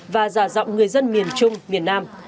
và giả dọng người dân miền trung miền nam